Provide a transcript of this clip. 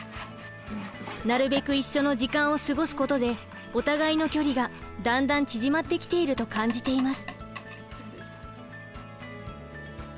なるべく一緒の時間を過ごすことでお互いの距離がだんだん縮まってきていると感じています。